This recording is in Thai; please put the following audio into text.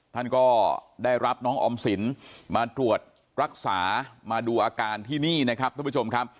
ท่านก็ได้รับน้องออมสินมาตรวจรักษามาดูอาการที่นี่นะครับทุกผู้ชมครับ